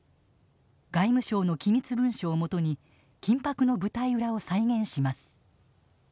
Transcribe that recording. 外務省の機密文書を基に緊迫の舞台裏を再現します。